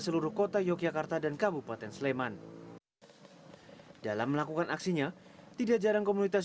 seluruh kota yogyakarta dan kabupaten sleman dalam melakukan aksinya tidak jarang komunitas